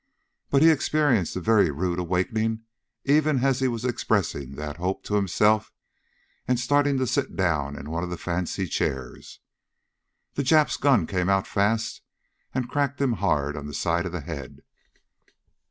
But he experienced a very rude awakening even as he was expressing that hope to himself and starting to sit down in one of the fancy chairs. The Jap's gun came out fast and cracked him hard on the side of the head.